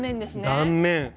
断面。